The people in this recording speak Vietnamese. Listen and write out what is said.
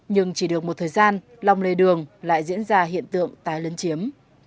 nhưng chỉ được một thời gian lòng lề đường lại diễn ra hiện tượng tái lấn chiếm